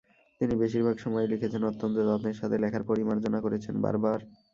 তিনি বেশিরভাগ সময়েই লিখেছেন অত্যন্ত যত্নের সাথে, লেখার পরিমার্জনা করেছেন বারবার।